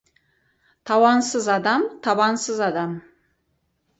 Тауансыз адам — табансыз адам.